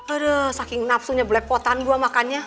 aduh saking nafsunya belepotan gue makannya